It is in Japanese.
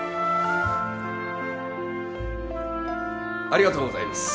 ありがとうございます。